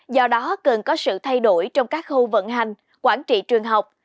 do đó cần có sự thay đổi trong các khu vận hành quản trị trường học